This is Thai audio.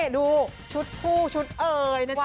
ดูชุดคู่ชุดเอ่ยนะจ๊